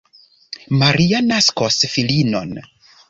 Maria naskos filinon.